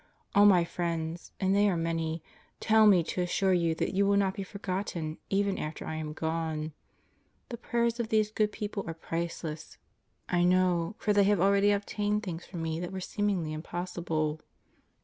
... All my friends and they are many tell me to assure you that you will not be forgotten even after I am gone. ... The prayers of these good people are priceless. I know; for they have already obtained things for me that were seemingly impossible.